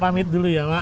pak pamit dulu ya pak